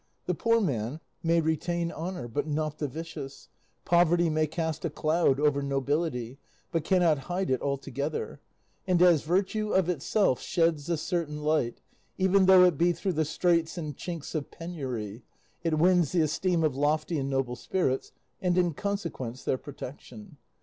The poor man may retain honour, but not the vicious; poverty may cast a cloud over nobility, but cannot hide it altogether; and as virtue of itself sheds a certain light, even though it be through the straits and chinks of penury, it wins the esteem of lofty and noble spirits, and in consequence their protection.